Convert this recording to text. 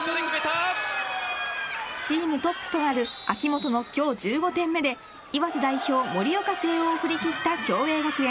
チームトップとなる秋本の今日１５点目で岩手代表、盛岡誠桜を振り切った共栄学園。